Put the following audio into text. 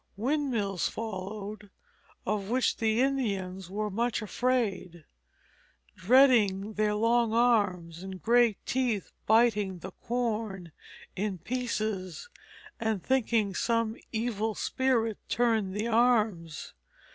Windmills followed, of which the Indians were much afraid, dreading "their long arms and great teeth biting the corn in pieces"; and thinking some evil spirit turned the arms.